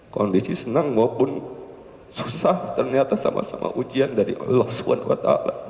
kondisi senang maupun susah ternyata sama sama ujian dari allah swt